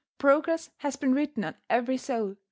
Progress has been written on every soul.